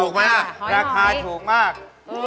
ถูกมากราคาถูกมาก